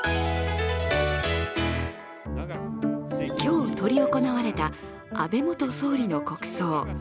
今日執り行われた安倍元総理の国葬。